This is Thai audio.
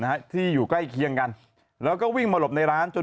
นะฮะที่อยู่ใกล้เคียงกันแล้วก็วิ่งมาหลบในร้านจน